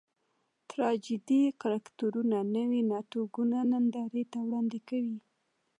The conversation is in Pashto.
ټراجېډي کرکټرونه نوي ناټکونه نندارې ته وړاندې کوي.